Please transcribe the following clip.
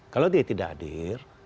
kalau dia tidak hadir